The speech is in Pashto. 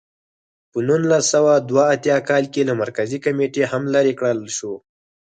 په نولس سوه دوه اتیا کال کې له مرکزي کمېټې هم لرې کړل شو.